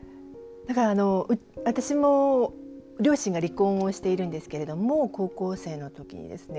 私も、両親が離婚をしているんですけれども高校生の時ですね。